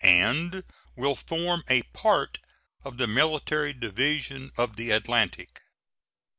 and will form a part of the Military Division of the Atlantic.